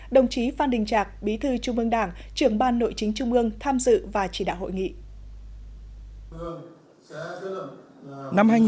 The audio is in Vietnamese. đồng chí phan đình trạc bí thư trung ương đảng trưởng ban nội chính trung ương tham dự và chỉ đạo hội nghị